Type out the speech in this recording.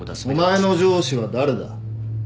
お前の上司は誰だ？